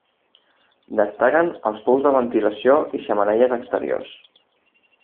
Destaquen els pous de ventilació i xemeneies exteriors.